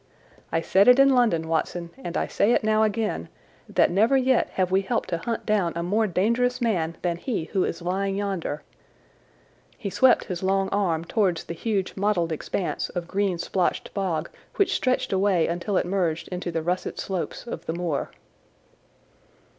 I said it in London, Watson, and I say it again now, that never yet have we helped to hunt down a more dangerous man than he who is lying yonder"—he swept his long arm towards the huge mottled expanse of green splotched bog which stretched away until it merged into the russet slopes of the moor.